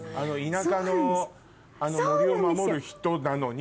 田舎の森を守る人なのに。